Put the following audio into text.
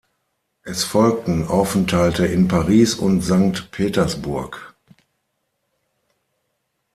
Es folgten Aufenthalte in Paris und Sankt Petersburg.